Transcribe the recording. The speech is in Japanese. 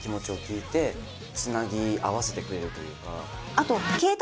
あと。